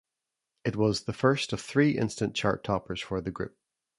It was the first of three instant chart-toppers for the group.